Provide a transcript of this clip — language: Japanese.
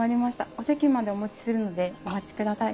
お席までお持ちするのでお待ちください。